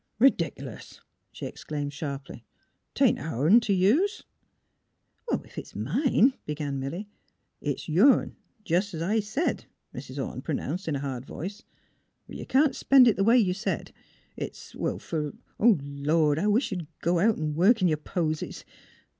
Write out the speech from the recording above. Redic'lous," she exclaimed, sharply. " 'Tain't ourn t' use." *' If it's mine " began Milly. ''It's yourn, jus' 's I said," Mrs. Orne pro nounced, in a hard voice; '' but you can't spend it the way you said. It — it's fur ... Lord! I wisht you'd go out an' work in yer posies.